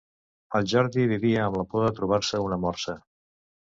En Jordi vivia amb la por de trobar-se una morsa.